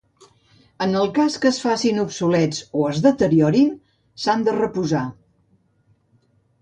En el cas que es facin obsolets o es deteriorin s'han de reposar.